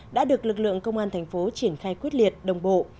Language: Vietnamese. đã được lực lượng công an thành phố triển khai quyết liệt đồng bộ